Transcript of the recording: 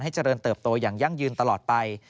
เจริญเติบโตอย่างยั่งยืนตลอดไป